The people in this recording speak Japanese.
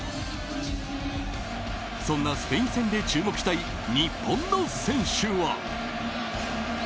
そんなスペイン戦で注目したい日本の選手は。